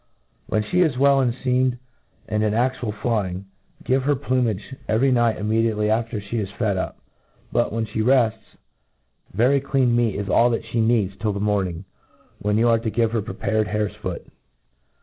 When fhe is well enfeamed and in aftual fly ing, give her plumage every night immediately after fhe is fed upj but, when fliereftSjVery dean meat is all that fhe needs till the morning, when you are to give her prepared hare's foot.